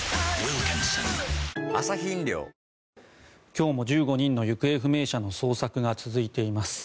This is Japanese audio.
今日も１５人の行方不明者の捜索が続いています。